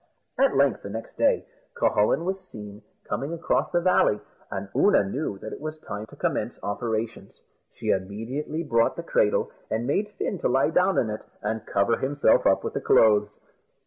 At length, the next day, Cucullin was seen coming across the valley, and Oonagh knew that it was time to commence operations. She immediately brought the cradle, and made Fin to lie down in it, and cover himself up with the clothes.